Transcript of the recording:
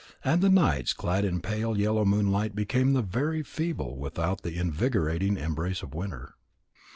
And the nights clad in pale yellow moonlight became very feeble without the invigorating embrace of winter.